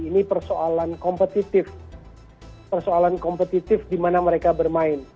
ini persoalan kompetitif persoalan kompetitif di mana mereka bermain